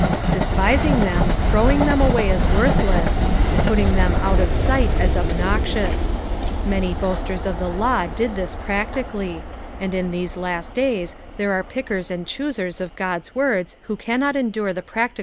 Despising them, throwing them away as worthless, putting them out of sight SB obnoxious. Many boasters of the law did this practically ; and in these last days there are pickers and choosers of Ood's words who cannot endure the prsclica!